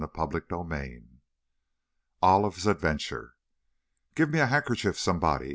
CHAPTER XIII Olive's Adventure "Give me a handkerchief, somebody!"